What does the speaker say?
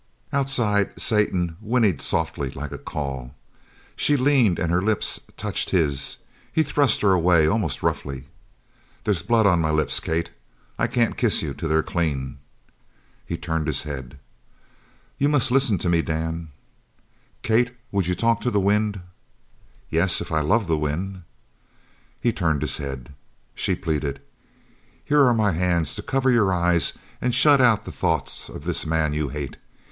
Outside, Satan whinnied softly like a call. She leaned and her lips touched his. He thrust her away almost roughly. "They's blood on my lips, Kate! I can't kiss you till they're clean." He turned his head. "You must listen to me, Dan!" "Kate, would you talk to the wind?" "Yes, if I loved the wind!" He turned his head. She pleaded: "Here are my hands to cover your eyes and shut out the thoughts of this man you hate.